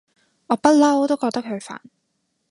我不嬲都覺得佢煩